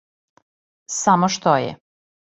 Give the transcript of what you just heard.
Само што је.